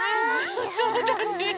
そうだね！